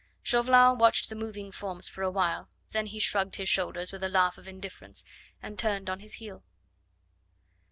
Chauvelin watched the moving forms for a while, then he shrugged his shoulders with a laugh of indifference, and turned on his heel.